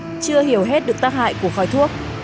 đứa trẻ này chưa hiểu hết được tác hại của khói thuốc